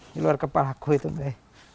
di luar kepala aku itu pak